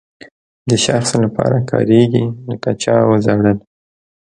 د شخص لپاره کاریږي لکه چا وژړل.